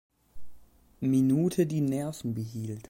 Minute die Nerven behielt.